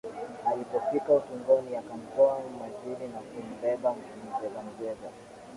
Alipofika ukingoni akamtoa majini na kumbeba mzegamzega